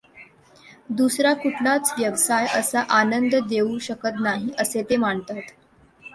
दुसरा कुठलाच व्यवसाय असा आनंद देऊ शकत नाही, असे ते मानतात.